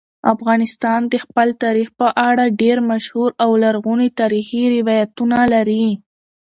افغانستان د خپل تاریخ په اړه ډېر مشهور او لرغوني تاریخی روایتونه لري.